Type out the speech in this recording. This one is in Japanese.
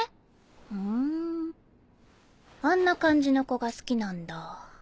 ふんあんな感じの子が好きなんだ。